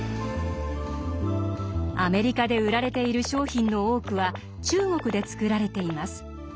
アメリカで売られている商品の多くは中国で作られています。